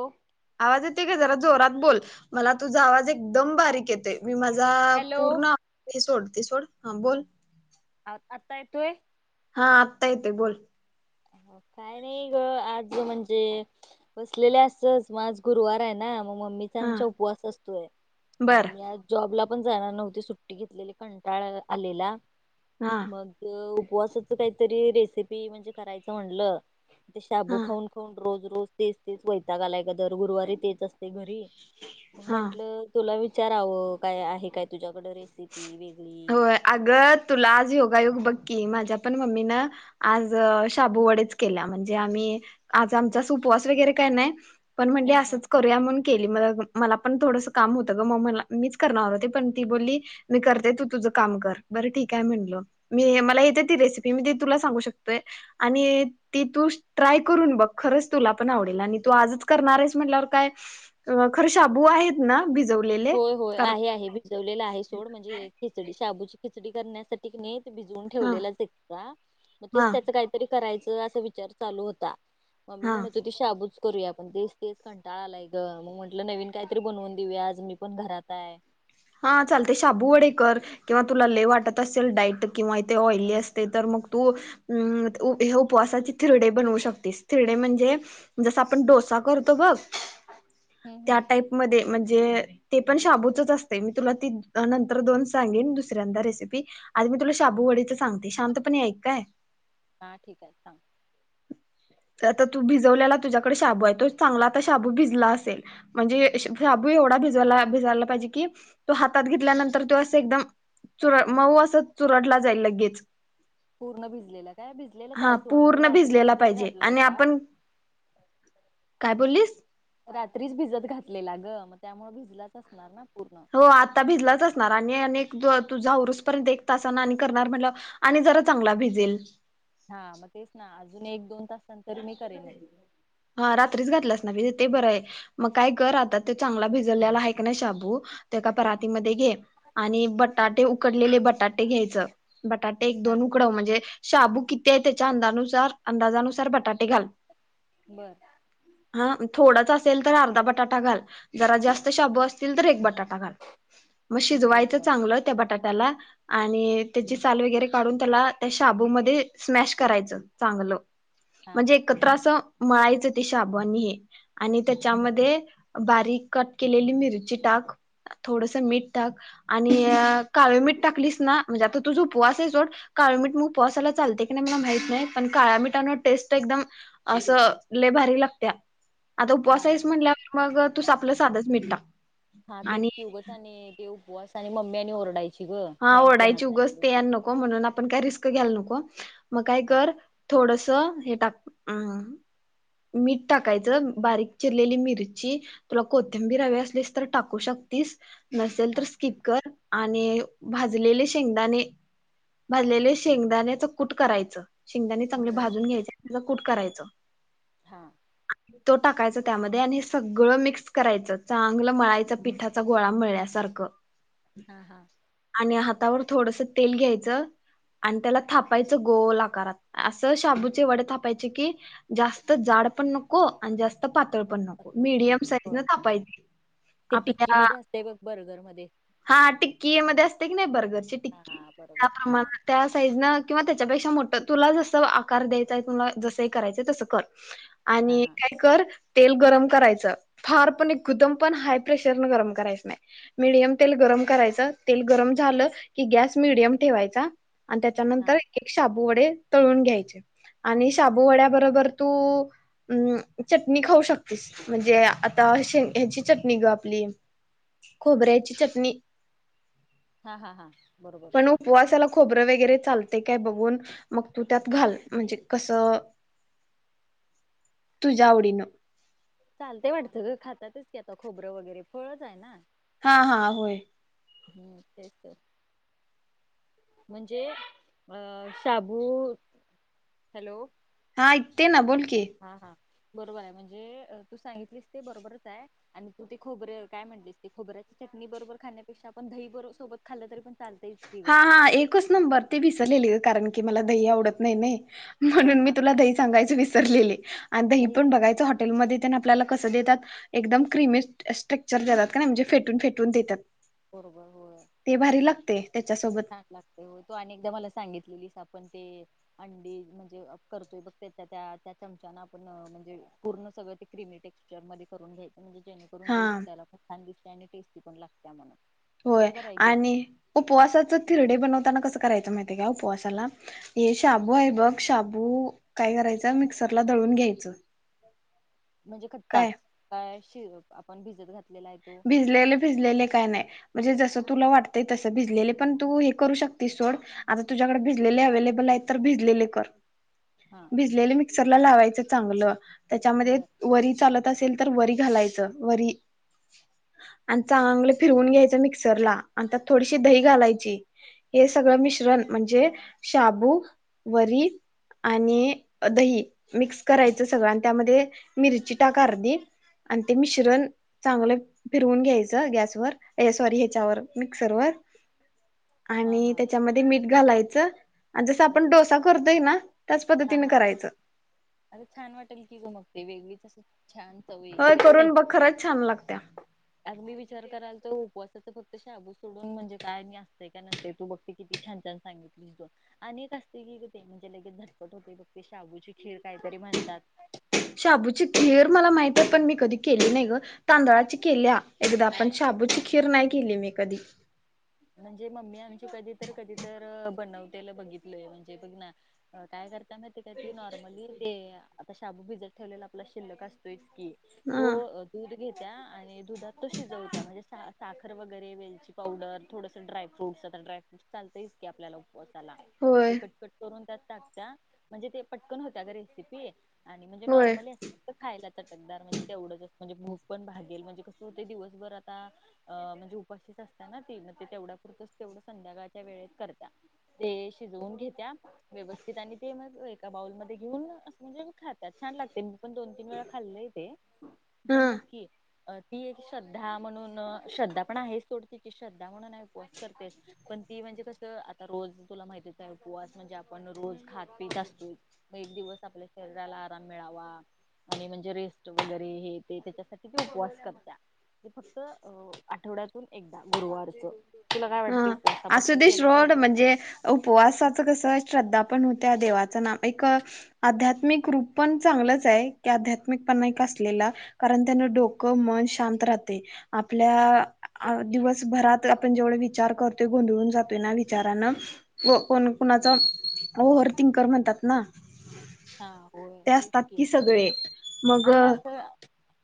हो. आवाज येतोय का जरा जोरात बोल मला तुझा आवाज एकदम बारीक येतोय. मी माझा हॅलो पूर्ण [unintelligible] सोडते सोड हा बोल आ आता येतोय. हा आत्ता येतोय बोल काय नाही गं आज म्हणजे बसलेले असंच मग आज गुरुवार हाय ना मग मम्मीचा हा आमच्या उपवास असतोय आणि बर मी आज जॉब ला पण जाणार नव्हती सुट्टी घेतलेली कंटाळ आलेला हा मग उपवासचं काहीतरी रेसिपी म्हणजे करायचं म्हणलं ते शाबू हा खाऊन खाऊन रोज रोज तेच तेच वैताग आलाय गं दर गुरुवारी तेच असतंय घरी मग हा म्हंटलं तुला वि चारावं काय आहे काय तुझ्याकडे रेसिपी वेगळी होय अगं तुला आज योगायोग बघ की माझ्या पण मम्मीनं आज शाबू वडेच केल्या म्हणजे आम्ही आज आमचा उपवास वगैरे काय नाय. पण म्हणली ह हा असंच करूया म्हणून केली मग मला पण थोडंसं काम होतं ग म मला मीच करणार होते पण ती बोलली मी करते तू तुझं काम कर बरं ठीक हाय म्हणलं मी मला येत्या ती रेसिपी मी ती तुला सांगू शकतोय आणि ती तू ट्राय करून बघ खरंच तुला पण आवडेल आणि तू आजचं कर णारयेस म्हंटल्यावर काय खरं शाबू आहेत ना भिज होय होय आहे आहे भिजवलेला आहे सोड म्हणजे खिचडी शाबूची खिचडी करण्यासाठी कीनी भिजवून हा ठेवलेलाच एक्सट्रा का मग तेच हा त्याच काहीतरी करायचं असा विचार चालू होता. मम्मी हा म्हणत होती शाबूच करूया आपण तेच तेच कंटाळा आलाय गं मग म्हंटलं नवीन काहीतरी बनवून देऊया आज मी पण घरात हाय. हा चालतंय शाबू वडे कर किंवा तुला लई वाटत असेल डाईट किंवा ते ऑइली असतंय तर मग तू हे ऊं उपवासाचे थिरडे बनवू शकतीस थिरडे म्हणजे जसं आपण डो सा करतो बघ हम्म त्या हम्म टाइप मध्ये म्हणजे ते पण शाबूचंच अस तय मी तुला ती नंतर दोन सांगेन दुसऱ्यांदा रेसिपी आधी मी तुला शाबू वडेची सांगते शांतप णे ऐक काय. हा ठीक आहे सांग. तर आता तू भिजवल्याला तुझ्याकडं शाबू आहे तो चांगला आता शाबू भिजला असेल म्हणजे श शाबू एवढा भिजवला भिजायला पाहिजे की तो हातात घेतल्यानंतर तो असं एकदम चुर मऊ असं चुरडला जाईल लगेच पूर्ण भिजलेला काय भिजलेलाच हा हाय सोड म्हणजे पूर्ण रात्री भिजलेला भिजत पाहिजे घातला हो आणि ता आपण काय बोललीस रात्रीच भिजत घातले. ला गं मग त्यामुळं भिजलाच असणार ना पूर्ण. हो आता भिजलाच असणार आणि आणिक तुझं आवरूस पर्यंत एक तासानं आणि करणार म्हटल्यावर आणि जरा चांगला भिजेल हा मग तेच ना अजून एक दोन तास हां रात्रीच घातल्यास ते बरं आहे मग काय कर आता ते चांगला भिजलेला आहे का नाय शाबू एका परातीमध्ये घे आणि हा बटाटे उकडलेले बटाटे घ्यायच बटाटे एक हा दोन उकडव म्हणजे शाबू किती आहे त्याच्या अंदानुसार अंदाजानुसार बटाटे घाल बर. हा थोडाचं अस असल तर अर्धा बटाटा घाल जरा जास्त शाबू असतील तर एक बटाट तां घाल. म बर शिजवायचं बर चांगलं ते बटाट त्याला आणि त्याची साल वगैरे काढून त्याला त्या शाबूमध्ये स्मॅश करायचं चांगलं हा म्हणजे एकत्र असं मळायच ते शाबू आणि हे. आणि त्याच्यामध्ये बारीक कट केलेली मिरची टाक थोडस मीठ टाक, आणि काळ मीठ टाकलीस ना, म्हणजे आता तुझा उपवासय. सो काळ मीठ म उपवसाला चालतय का नाही, मला माहीत नाही. पण काळामीठ ठान टेस्ट एकदम अस, लय भारी लागत्या. आता उपवासइस काळात म्हणल्यावर, मग तुस आपलं साधच मिट टाक आणि बॉस आणि मम्म्यानी ओरडाय हा ओरढायची उगस ते [unintelligible] नको. म्हणून आपण काय रिस्क घ्यायला नको. मग काय हा कर, थोडस हे टाक अं मीठ टाकायचं, बारीक चिरलेली मिरची, तुला कोथिंबीर हवी असलीस तर टाकू शक तीस. नसेल तर हा स्किप कर आणि भाजलेले शेंगदाणे. भाजलेले शेंगदाण्याचं कूट करायचं. शेंगदानी चांगले बर भाजून घ्यायचे, [unintelligible] कूट करायचं. हा. तो टाकायचा त्यामध्ये आणि सगळं मिक्स करायचं. चांगलं मळायचं, पिठाचा गोळा मळल्यासारखं. क. हा, हा. आणि हातावर थोडस तेल घ्यायचं, आणि त्याला थापायच गोल आकारात. अस शाबूचे वडे थापायचे की, जास्त जा ड पण नको आणि जास्त पातळ पण नको. अच्छा, अच्छा. मीडियम साईज बर न थापायची. ते टिक्की आपल्या, मध्ये असते बघ बर्गर मध्ये हा टिक्की मध्ये अस ते कनई बर्गर ची टिक्की हा त्या बरोबर हा प्रमाण, त्या साईज न किंवा त्या त्या पेक्षा मोठ, तुला जस आकार द्यायचाय तुला जस करायचय तसं कर. हा आणि हा काय कर तेल गरम करायचं. फार पण एकदम पण हाय प्रेशर न गरम करायचं नाही. मिडियम तेल गरम करायचं. तेल गरम झाल की, गॅस मिडीयम ठेवायचा. अन त्याच्यानंतर हा एक- एक शाबू वडे तळून घ्यायचे. आणि शाबूवड्याबरोबर तू, चटणी खाऊ शकतेस. म्हणजे आता शे ह्याची चटणी ग, आपली खोबऱ्याची चटणी. हा, हा, हा. बरोबर. खोबर वगैरे चालते काय? बघून मग तू त्यात घाल, म्हणजे कस? तुझ्या आवडीन. चालते वाटतं ग? खातातच की आता खोबरं वगैरे. फळच आहे ना. हा, हा. होय. हम्म, तेच तर. म्हणजे अ शाबू, हॅलो. हा ऐकते ना, बोल की. हा, हा. बरोबराय म्हणजे, तू सांगितलीस ते बरोबरचाय आणि तू ते खोबर, काय म्हणलीस? ते खोबऱ्या चटणी बरोबर खाण्यापेक्षा, आपण दही बरो सोबत खाल्लं तरी पण चालतयच की ग. हा हा एकच नंबर. ते विसरलेली कारण की, मला दही आवडत नाही नाही. हा म्हणून मी हा तुला दही सांगायच विसरलेले. आणि दही पण बघायचं, हॉटेलमध्ये तेन आपल्याला अस देतात, एकदम क्रिमी स्ट्रक स्ट्रक्चर देतात. कनाय म्हणजे फेटून- फेटून देतात. बरोबर होय. ते भारी लागते त्याच्यासोबत छान लागतय हो तू अनेकदा मला सांगितलेलीस आपण ते. अंडी म्हणजे करतोय बघ त्याच्या त्या चमचान आपण म्हणजे पूर्ण सगळं ते क्रिमी टेक. मिक्चर मध्ये करून घ्यायचं म्हणजे जेणेकरून हा दही दिसायला पण छान दिसतय आणि टेस्टी पण लागतय म्हण. होय आणि उपवासाच. थिरडे बनवताना कस कराययाच माहितेय का उपवासाला हे शाबू आहे बघ शाबू काय करा. हेच मिक्सर ला दळून घ्यायचं. म्हणजे कचाच काय काय शिजू आपण भिजत घात. - भिजलेले भिजलेले काय नाय. म्हणजे जसं तुला वाटतंय तसं भिजले पण तू हे करू शकतीस सोड आता तुझ्याकडे भिजलेले अवलेबलाय. नाही तर भिजलेले कर. हा भिजलेल मिक्सरला लावायच चांगलं त्याच्यामध्ये बर वरी चालत. असेल तर वरी घालायचं वरी. आणि चांगलं फिरवून घ्यायचं मिक्सरला आणि त्यात थोडीशी हा दही घालायची. हे सगळं हा मिश्रण म्हणजे शाबू, वरी. आणि दही मिक्स करायचं सगळं आणि त्यामध्ये मिरची टाक अर्धी. आणि ते मिश्रण चांगलं. फिरवून घ्यायचं गॅसवर हे सॉरी ह्याच्यावर मिक्सर वर. हा आणि हा त्याच्यामध्ये मीठ घालायचं आणि जस आपण बर डोसा करतोय ना? त्याच. हा पद्धतीने हा हा करायचं अरे छान वाटेल की ग मग ते वेगळी च अस. होय करून बघ खरंच छान लागती या. अगदी विचार कराल तर, उपवासाचा फक्त शाबू सोडून म्हणजे काय मी असतंय काय नसतंय तू बघते किती छान सांगितली की बघ आणि एक असते की ग ते म्हणजे लगेच भा असच होतंय बघ, ते शाबूची खीर काहीतरी म्हणतात. शाबूची खर मला माहित हाय पण मी कधी केली नाही ग, तांदळाची केलीया एकदा आपण शाबूची खीर नाही केली मी कधी म्हणजे मम्मी आमची कधी तर कधी तर बनवतेल बघितलंय म्हणजे बघ ना काय करते नॉर्मली ते आता शाबू भिजत ठेवलेला आपला शिल्लक असतोय की हा तो दूध घेत्या आणि दुधात तो शिजवत्या म्हणजे सा साखर वगैरे वेलची पावडर थोडस ड्राय फ्रूट्स आता ड्राय फ्रूट चालतच की आपल्याला उपवासाला होय ते कट कट करून त्यात. टाकत्या म्हणजे ते पटकन होत्या ग रेसिपी. आणि म्हणजे होय नॉर्मली अस फक्त खायला चटकदार म्हणजे तेवढंच असतं. म्हणजे भूक पण भागेल म्हणजे कस होतय दिवसभर आता आ म्हणजे उपाशीच असतीयाना ती मग. तेवढ्या पुुरतच तेवढं संध्याकाळच्या वेळेत करत्या ते शिजवून घेत्या व्यवस्थित आणि. ते मग एका बाउल मध्ये घेऊन ना अस म्हणजे मी खात्या छान लागतय. पण दोन तीन वेळा खाल्लंय तेे हा पण बघ की. अ ती एक श्रद्धा म्हणून अ श्रद्धा पण आहेच सोडती की श्रद्ध. म्हणून उपवास करते पण ती म्हणजे कसं आता रोज तुला माहतीच आहे उपवास म्हणजे आपण रोज. खात पीत असतो मग एक दिवस आपल्या शरीराला आराम मिळावा. आणि म्हणजे रेस्ट वगैरे हे ते त्याच्यासाठी ती उपवास करतिया. हे फक्त अ आठवड्यातून एकदा गुरुवारचं. हा असुदे शोड म्हणजे उपवासाचं कस श्रद्धा. पण होत्या देवाच नाम एक आध्यात्मिक रूप पण चांगलच हाय की आधत्मिक पण एका. कारण त्यान डोकं मन शांत राहतय आपल्या. अ का दिवसभरात आपण जेवढ वी. विचार करतोय गोंधळून जातोय ना विचारान व पण कुणाच. ओहरथिंकर म्हणतात ना? हा होय ते तेच असतात की. सगळे मग आणि असं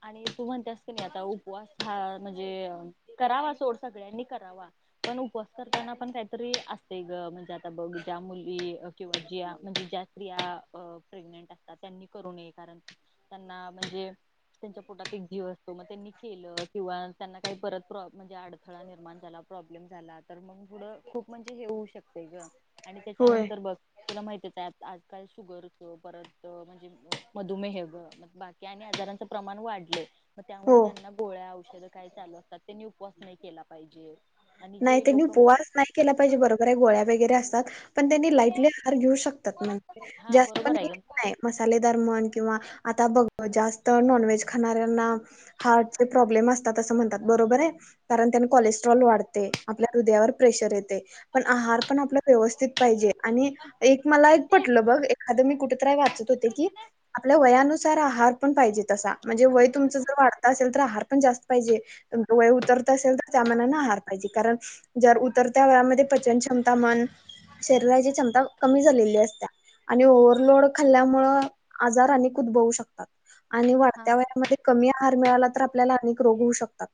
आणि तू म्हणत्यास की नाय. आता उपवास ह म्हणजे, करावा सोड सगळ्यांनी करावा. पण उपवास करताना पण काही तरी असतय ग. म्हणजे आता बघ, ज्या मुली किंवा ज्या म्हणजे ज्या असं प्रेगंट असतात, त्यांनी करू नये. कारण त्यांना म्हणजे त्यांच्या पोटात एक जीव असतो. मग त्यांनी केलं किंवा त्यांना काही परत म्हणजे अडथळा निर्माण प्रॉब्लेम झाला तर मग, पुढे खूप म्हणजे हे होऊ शकते ग. आणि होय त्याच्यानंतर बघ तुला माहतीच आहे आजकाल शुगरच. परत म्हणजे मधुमेह ग. बाकी आणि आजारांचं प्रमाण वाढल. मग त्यामुळे हो ज्यांना गोळ्या -औषधं काही चालू असतात. त्यांनी उपवास नाही केला पाहिजे. आणि नाही जे त्यांनी लोक उपवास नाही केला पाहिजे बरोबर गोळ्या वगैरे असतात पण त्यांनी लाईटली आहार घेऊ शकतात म्हणजे हा जास्त पण बरोबर आहे हे ग. नाहि मसालेदार म्हण किंवा आता बघ जास्त नॉनव्हेज खाणाऱ्यांना हार्टचे प्रॉब्लेम असतात असं म्हणतात बरोबर आहे कारण त्यांना कोलेस्ट्रॉल वाढत ते आपल्या हदयावर प्रेशर येते पण आहार पण आपला व्यवस्थित पाहिजे आणि एक मला पटल बग, एखाद्या कुठेतरी वाचत होते की आपल्या वयानुसार आहार पण पाहिजे तसा म्हणजे वय तुमच जर वाढत असेल तर आहार पण जास्त पाहिजे तुमच वय उतरत असेल तर त्यामानान आहार पाहिजे कारण जर उतरत्या वयामध्ये पचन क्षमता म्हण शरीराची क्षमता कमी झालेली असत्या आणि ओव्हरलोड खाल्ल्यामुळं आजार अनेक उद्भवू शकतात आणि वाढत्या हा वयामध्ये कमी आहार मिळाला तर आपल्याला अनेक रोग होऊ शकतात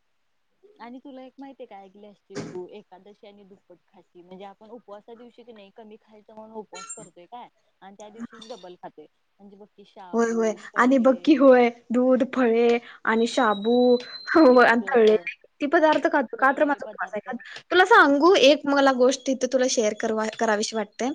आणि तुला एक माहित आहे काय ऐकली असशील तू एकादशी आणि दुप्पट खाशी म्हणजे आपण उपवासा दिवशी की नाही कमी खाय उपवास करतोय काय आणि त्या दिवशी डबल खातोय म्हणजे बग होय होय आणि बग की होय दूध फळे आणि शाबू चिप्स ती पदार्थ खातो का तर तळलेले माझा उपवास पदार्थ आहे, तुला सांगू एक मला गोष्ट तिथे तुला शेअर करा कराविशी वाटते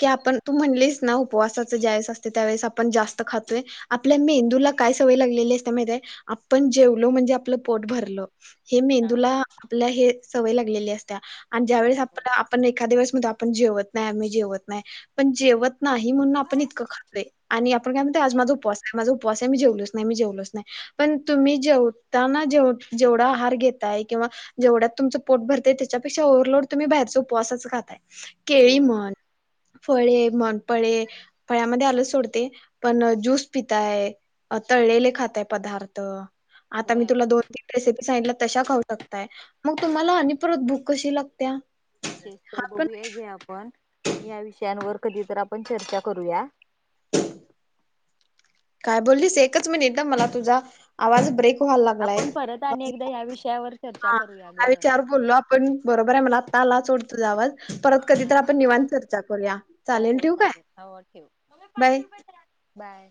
की आपण तू म्हणलीस ना उपवासाच ज्यावळेस असते त्यावेळेस आप पण जास्त खातोय आपल्या मेंदूला काय सवय लागलेली असत्या माहितेय आपण जेवलो म्हणजे आपल पोट भरलं हे हा मेंदूला आपल्या हे सवय लागलेली अस आणि बरोबर ज्यावेेळेस आप आहे आपण एखा्या वेळेस आपण जेवत नाही आम्ही जेवत नाही पण जेवत नाही म्हणून आपण इतकं खातोय आणि आपण काय म्हणतोय आज माझ उपवास आहै उपवास आहे मी जेवलोच नाही मी जेवलोच नाही पण तुम्ही जेवताना जेवढा आहार घेताय किंवा जेवढ्यात तुमच पोट भरतेय त्याच्यापेक्षा ओ्व्हरलोड तुम्ही बाहेरच उपवासच खाताय केळी होय म्हण फळे म्हण फळे फळ्यामध्ये आलंच सोड ते पण ज्यूस पिताय तळलेले खाताय पदार्थ आता होय मी अगं तुला दोन तीन रेसिपी सांगितलं तशा खाऊ शकताय मग तुम्हाला आणि परत भूक कशी लागत्या तेच तर हा पण बघूया घ्या आपण आणि या विषयांवर कधीतर आपण चर्चा करूया काय बोललीस एकच मिनट हा मला तुझा आवाज ब्रेक क व्हायला लागलाय आपण परत आणि एकदा या विषयावर चर्चा हा करूया हा ग विचार बोललो आपण बरोबर आहे मला आता आला सोड तूझा आवाज परत हा कधीतर आपण निवात चर्चा करूया हो चालेल हो ठेवू काय चालेल हो ठेव बाय बाय